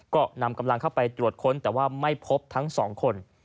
ก็นำกำลังเข้าไปตรวจค้นแต่ว่าไม่พบทั้งสองคน